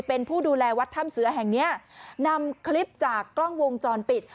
เป็นผู้ดูแลวัดถ้ำเสือแห่งเนี้ยนำคลิปจากกล้องวงจรปิด